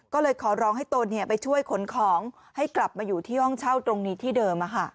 ก็เลยขอร้องให้ตนไปช่วยขนของให้กลับมาอยู่ที่ห้องเช่าตรงนี้ที่เดิม